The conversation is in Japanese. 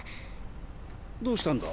どうしたんだ？